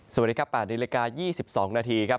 สวัสดีครับปะในละกา๒๒นาทีครับ